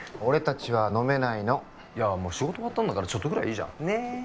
俺達は飲めないのいやもう仕事終わったんだからちょっとぐらいいいじゃんねえ